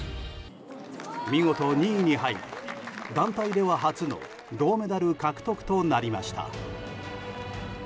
見事２位に入り、団体では初の銅メダル獲得となりました。